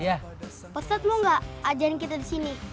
ustadz mau gak ajarin kita disini